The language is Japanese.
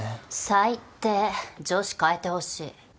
最低上司替えてほしい。